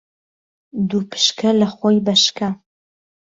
دوو پشکه لهخۆی بهشکه